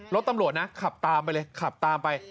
รถตำรวจนะขับตามไปเลยขับตามไป